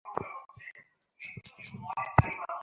গাড়ির ড্রাইভার বলল, গান দেব স্যার?